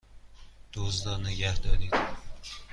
دزد را نگهدارید!